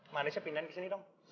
manisnya pindahin ke sini dong